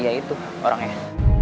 iya itu orangnya